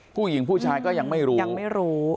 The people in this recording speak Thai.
ผู้หญิงผู้ชายก็ยังไม่รู้ยังไม่รู้